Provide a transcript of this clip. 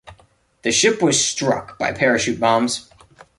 The ship was struck by parachute bombs.